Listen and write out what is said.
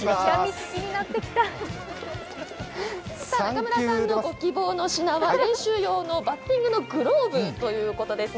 中村さんのご希望の品は練習用のバッティングのグローブということです。